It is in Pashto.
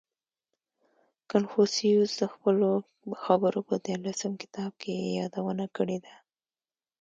• کنفوسیوس د خپلو خبرو په دیارلسم کتاب کې یې یادونه کړې ده.